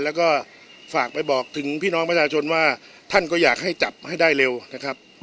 แล้วก็ฝากไปบอกถึงพี่น้องประชาชนว่าท่านก็อยากให้จับให้ได้เร็วนะครับ